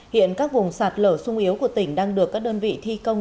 hiện các vùng sạt lở sung yếu của tỉnh đang được các đơn vị thi công